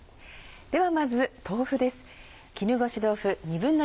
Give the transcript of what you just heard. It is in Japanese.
ではまず豆腐です。